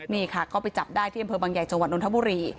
นี่ค่ะก็ไปจับได้ที่อำเภอบางใหญ่จังหวัดนทบุรี